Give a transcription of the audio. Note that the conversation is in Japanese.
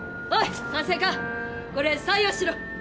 おい管制課これ採用しろ。